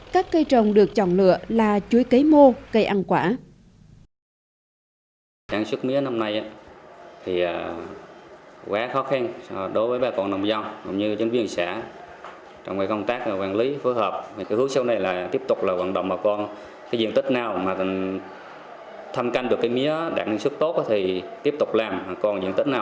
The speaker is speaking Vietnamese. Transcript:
các cây trồng được chọn lựa là chuối cấy mô cây ăn quả